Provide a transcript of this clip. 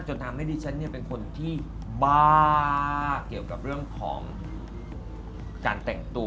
จนทำให้ดิฉันเป็นคนที่บ้าเกี่ยวกับเรื่องของการแต่งตัว